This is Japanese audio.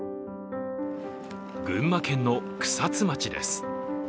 群馬県の草津町です。